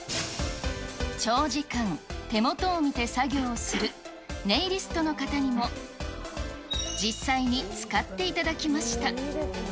長時間、手元を見て作業をするネイリストの方にも実際に使っていただきました。